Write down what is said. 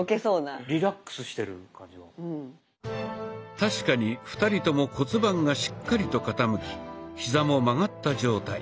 確かに２人とも骨盤がしっかりと傾きヒザも曲がった状態。